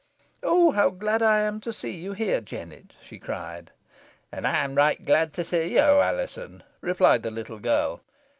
"Oh, how I'm glad to see you here, Jennet!" she cried. "An ey'm glad to see yo, Alizon," replied the little girl.